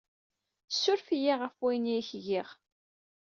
Ssuref-iyi ɣef wayen ay ak-giɣ.